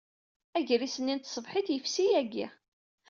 Agris-nni n tṣebḥit yefsi yagi.